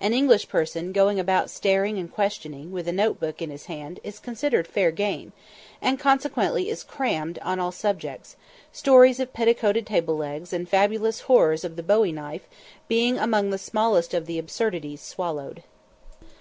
An English person going about staring and questioning, with a note book in his hand, is considered "fair game," and consequently is "crammed" on all subjects; stories of petticoated table legs, and fabulous horrors of the bowie knife, being among the smallest of the absurdities swallowed.